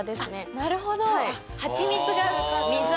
なるほど。